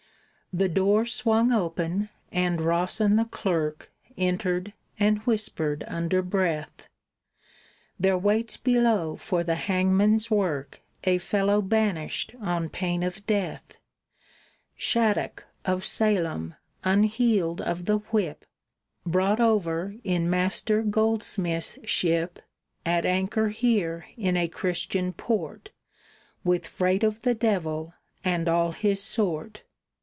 The door swung open, and Rawson the clerk Entered, and whispered under breath, "There waits below for the hangman's work A fellow banished on pain of death Shattuck, of Salem, unhealed of the whip, Brought over in Master Goldsmith's ship At anchor here in a Christian port, With freight of the devil and all his sort!"